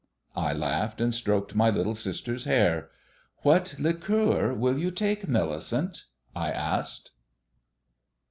I laughed, and stroked my little sister's hair. "What liqueur will you take, Millicent?" I asked.